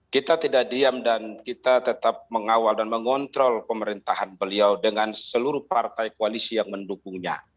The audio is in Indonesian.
kita tidak diam dan kita tetap mengawal dan mengontrol pemerintahan beliau dengan seluruh partai koalisi yang mendukungnya